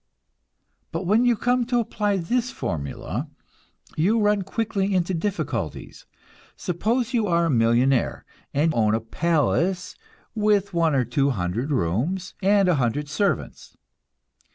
But when you come to apply this formula, you run quickly into difficulties. Suppose you are a millionaire, and own a palace with one or two hundred rooms, and a hundred servants.